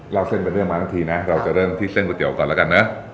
เราเส้นเป็นเรื่องมานักทีนะเราจะเริ่มที่เส้นก๋วยเตี๋ยวก่อนแล้วกันเนอะ